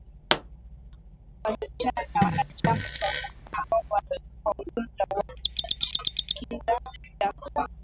Walipishana na wanachama cha jamhuri ambao kwa ujumla walimshinikiza Jackson